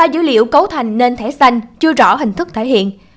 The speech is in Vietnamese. dữ liệu cấu thành nên thẻ xanh chưa rõ hình thức thể hiện